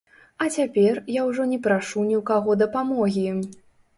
А цяпер я ўжо не прашу ні ў каго дапамогі.